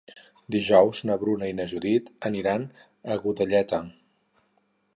Dijous na Bruna i na Judit aniran a Godelleta.